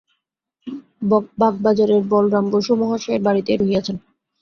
বাগবাজারের বলরাম বসু মহাশয়ের বাড়ীতেই রহিয়াছেন।